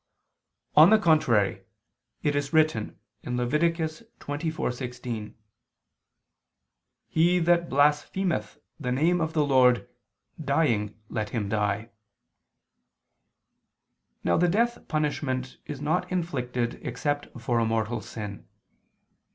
On the contrary, It is written (Lev. 24:16): "He that blasphemeth the name of the Lord, dying let him die." Now the death punishment is not inflicted except for a mortal sin.